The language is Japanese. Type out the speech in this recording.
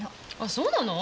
そうなの？